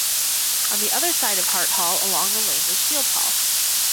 On the other side of Hart Hall along the lane was Shield Hall.